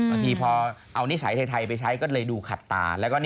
บางทีพอเอานิสัยไทยไปใช้ก็เลยดูขัดตา